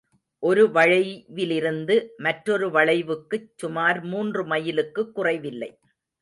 ஒரு வளைவிலிருந்து மற்றொரு வளைவுக்குச் சுமார் மூன்று மைலுக்குக் குறைவில்லை.